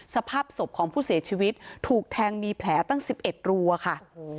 สภาพศพของผู้เสียชีวิตถูกแทงมีแผลตั้ง๑๑รัวค่ะ